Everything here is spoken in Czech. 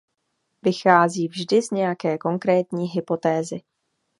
Vychází vždy z nějaké konkrétní hypotézy.